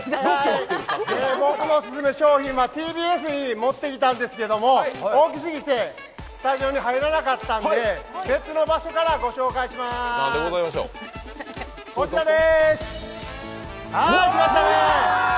僕のオススメ商品はＴＢＳに持ってきたんですけど大きすぎてスタジオに入らなかったので、別の場所から御紹介します、こちらでーす。